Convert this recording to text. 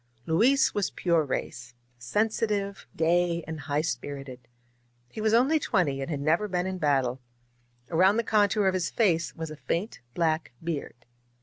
Luis was pure race — sensitive, gay and high spirited. He was only twenty, and had never been in battle. Around the contour of his face was a faint black beard.